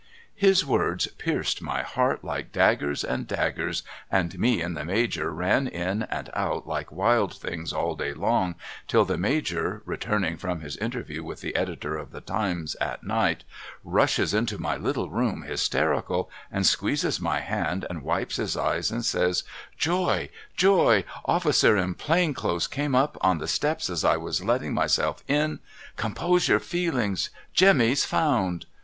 His words jjierced my heart like daggers and daggers, and me and Uie Major ran in and out like wild things all day long till the Major returning from his interview with the Editor of the Times at night rushes into my little room hysterical and squeezes my hand and wipes his eyes and says ' Joy joy — officer in plain clothes came up on the steps as I was letting myself in — compose your feelings — Jemmy's found.'